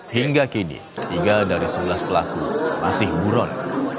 hingga kini tiga dari sebelas pelaku masih buron